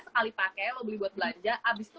sekali pakai lo beli buat belanja abis itu